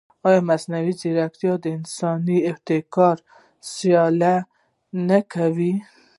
ایا مصنوعي ځیرکتیا د انساني ابتکار سیالي نه کوي؟